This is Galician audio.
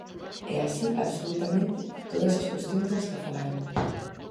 E así, absolutamente, todas as cuestións das que falaron.